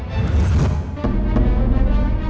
lo sudah nunggu